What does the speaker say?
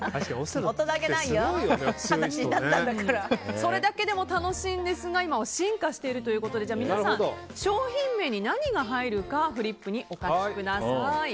それだけで楽しんですが今進化しているということで皆さん、商品名に何が入るかフリップにお書きください。